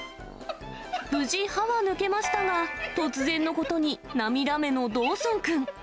無事、歯は抜けましたが、突然のことに涙目のドーソン君。